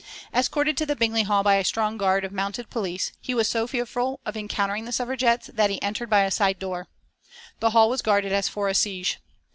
Escorted to the Bingley Hall by a strong guard of mounted police, he was so fearful of encountering the Suffragettes that he entered by a side door. The hall was guarded as for a siege.